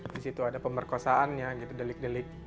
di situ ada pemerkosaannya gitu delik delik